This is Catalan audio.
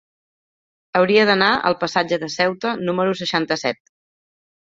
Hauria d'anar al passatge de Ceuta número seixanta-set.